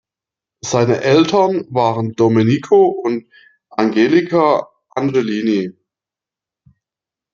Seine Eltern waren Domenico und Angelica Angelini.